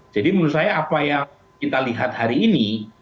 jadi menurut saya apa yang kita lihat hari ini